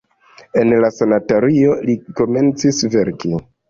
En la sanatorio li komencis verki.